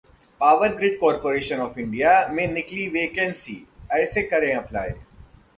power Grid Corporation of India में निकली vacancy, ऐसे करें अप्लाई